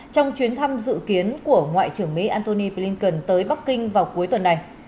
trong chuyến thăm dự kiến của ngoại trưởng mỹ antony blinken tới bắc kinh vào cuối tuần này